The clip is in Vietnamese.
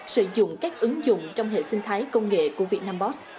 sử dụng các ứng dụng trong hệ sinh thái công nghệ của việt nam boss